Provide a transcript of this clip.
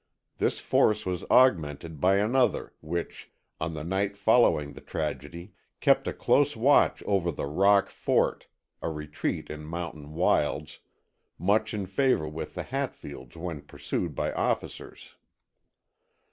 This force was augmented by another, which, on the night following the tragedy, kept a close watch over the "Rock Fort," a retreat in mountain wilds, much in favor with the Hatfields when pursued by officers.